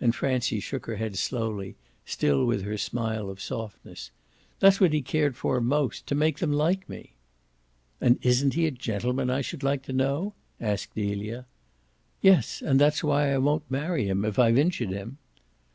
And Francie shook her head slowly, still with her smile of softness. "That's what he cared for most to make them like me." "And isn't he a gentleman, I should like to know?" asked Delia. "Yes, and that's why I won't marry him if I've injured him."